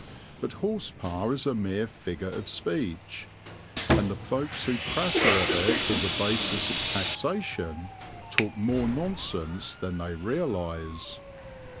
(but horse power is a mere figure of speech, and the folks who prattle of it as a basis of taxation talk more nonsense than they realize).